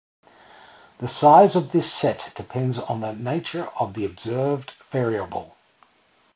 The size of this set depends on the nature of the observed variable.